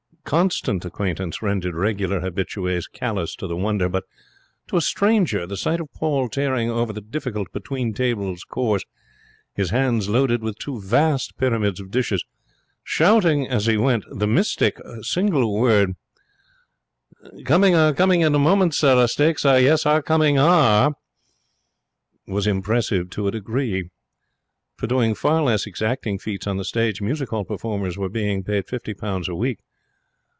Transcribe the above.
Constant acquaintance rendered regular habitues callous to the wonder, but to a stranger the sight of Paul tearing over the difficult between tables course, his hands loaded with two vast pyramids of dishes, shouting as he went the mystic word, 'Comingsarecominginamomentsaresteaksareyessarecomingsare!' was impressive to a degree. For doing far less exacting feats on the stage music hall performers were being paid fifty pounds a week.